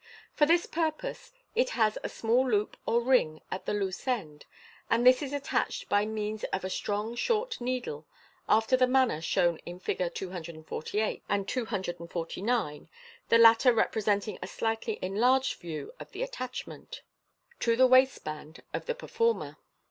For this purpose it has a small loop or ring at the loose end, and this is attached by means of a strong short needle, after the manner shown in Figs. 248 and 249 (the latter repre senting a slightly enlarged view of the attachment), to the waistband of the performer.